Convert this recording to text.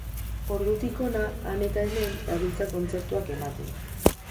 Ordutik hona, han eta hemen, dabiltza kontzertuak ematen.